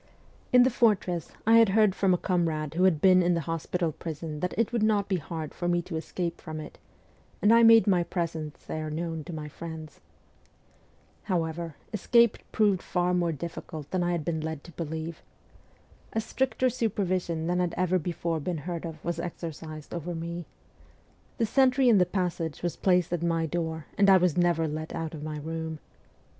In the fortress I had heard from a comrade who had been in the hospital prison that it would not be hard for me to escape from it, and I made my presence there known to my friends. However, escape proved far more difficult than I had been led to believe. A stricter supervision than had ever before been heard of was exercised over me. The sentry in the passage was placed at my door, and I was never let out of my room.